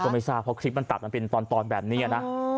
ไม่ทราบเพราะคลิปมันตัดมันเป็นตอนแบบนี้นะ